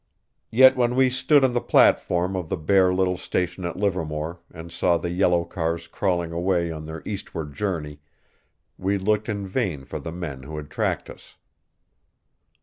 Yet when we stood on the platform of the bare little station at Livermore and saw the yellow cars crawling away on their eastward journey, we looked in vain for the men who had tracked us.